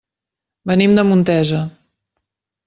Venim de Montesa.